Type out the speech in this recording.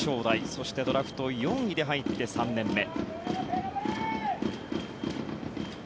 そして、ドラフト４位で入って３年目。